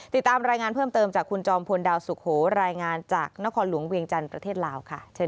ติดตามรายงานเพิ่มเติมจากคุณจอมพลดาวสุโขรายงานจากนครหลวงเวียงจันทร์ประเทศลาวค่ะเชิญ